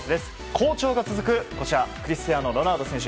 好調が続くクリスティアーノ・ロナウド選手。